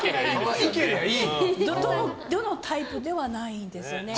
どのタイプではないですね。